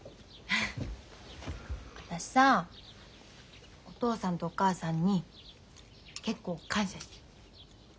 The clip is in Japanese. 私さお父さんとお母さんに結構感謝してる。